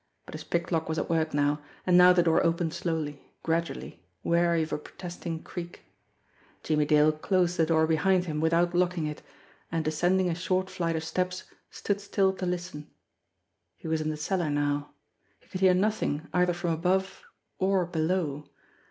But his pick lock was at work now ; and now the door opened slowly, gradually, wary of a protesting creak. Jimmie Dale closed the door behind him without locking it, and descending a short flight of steps, stood still to listen. He was in the cellar now. He could hear nothing either from above or below.